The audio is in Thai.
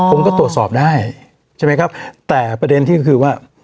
ผมก็ตรวจสอบได้ใช่ไหมครับแต่ประเด็นที่ก็คือว่า